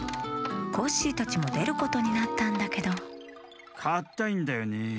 コッシーたちもでることになったんだけどかったいんだよね。